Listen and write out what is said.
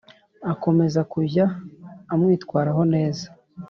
akomeza kujya amwitwaraho neza